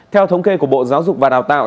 theo thống kê của bộ giáo dục và đào tạo